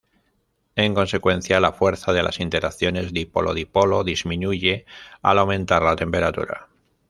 En consecuencia, la fuerza de las interacciones dipolo-dipolo disminuye al aumentar la temperatura.